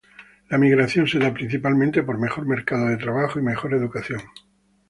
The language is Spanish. La migración se da principalmente por mejor mercado de trabajo y mejor educación.